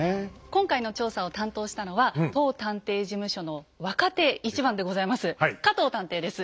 今回の調査を担当したのは当探偵事務所の若手一番でございます加藤探偵です。